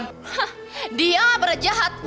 hah dia berjahat